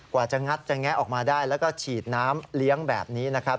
กว่าจะงัดจะแงะออกมาได้แล้วก็ฉีดน้ำเลี้ยงแบบนี้นะครับ